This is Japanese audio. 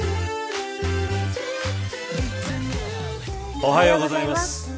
おはようございます。